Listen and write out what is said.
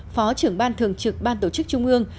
phó trưởng ban thường trực ban tổ chức trung ương